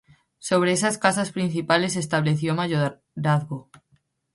Sobre esas casas principales se estableció mayorazgo.